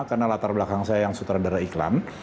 karena latar belakang saya yang sutradara iklan